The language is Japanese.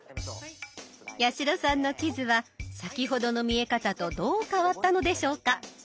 八代さんの地図は先ほどの見え方とどう変わったのでしょうか？